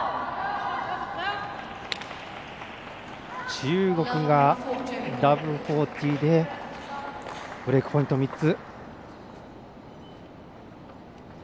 中国が０−４０でブレークポイント３つ。